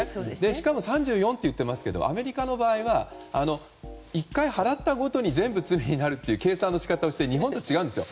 しかも３４って言ってますがアメリカの場合は１回払ったごとに罪になるという計算のし方をしていて日本とは違うんですよ。